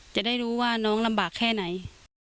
จะได้รู้ว่าน้องลำบากแค่ไหน